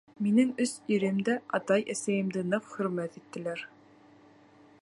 Минең өс ирем дә атай-әсәйемде ныҡ хөрмәт иттеләр.